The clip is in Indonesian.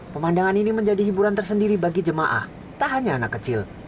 pemandangan ini menjadi hiburan tersendiri bagi jemaah tak hanya anak kecil